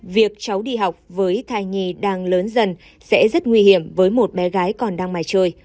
việc cháu đi học với thai nhì đang lớn dần sẽ rất nguy hiểm với một bé gái còn đang mài chơi